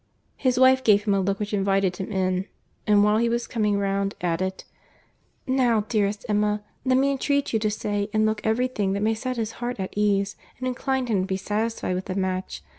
His wife gave him a look which invited him in; and, while he was coming round, added, "Now, dearest Emma, let me intreat you to say and look every thing that may set his heart at ease, and incline him to be satisfied with the match.